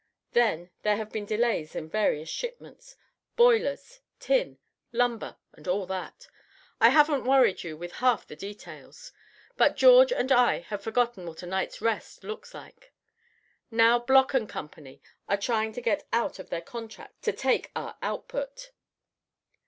Then there have been delays in various shipments boilers, tin, lumber, and all that. I haven't worried you with half the details; but George and I have forgotten what a night's rest looks like. Now Bloc & Company are trying to get out of their contract to take our output."